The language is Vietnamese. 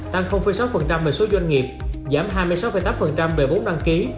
tăng sáu về số doanh nghiệp giảm hai mươi sáu tám về vốn đăng ký